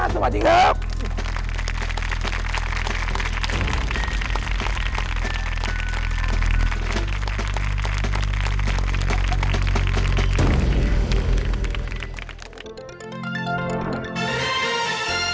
สวัสดีครับ